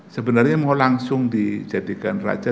sebenarnya mau langsung dijadikan raja